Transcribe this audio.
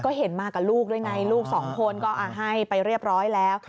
ก็เห็นมากับลูกด้วยไงลูกสองคนก็ให้ไปเรียบร้อยแล้ว